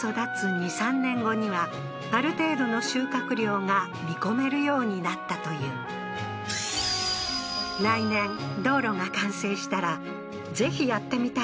２３年後にはある程度の収穫量が見込めるようになったという来年道路が完成したらぜひやってみたいとめぐみさんが